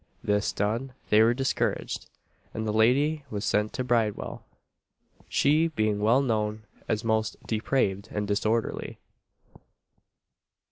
This done, they were discharged; and the lady was sent to Bridewell she being well known as most depraved and disorderly.